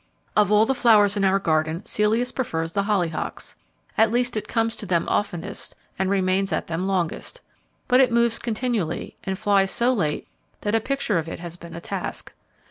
Of all the flowers in our garden, Celeus prefers the hollyhocks. At least it comes to them oftenest and remains at them longest. But it moves continually and flies so late that a picture of it has been a task.